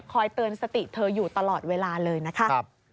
เตือนสติเธออยู่ตลอดเวลาเลยนะคะ